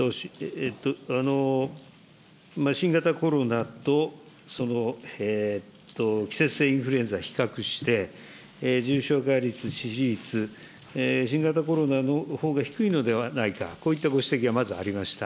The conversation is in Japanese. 新型コロナとその季節性インフルエンザを比較して、重症化率、支持率、新型コロナのほうが低いのではないか、こういったご指摘がまずありました。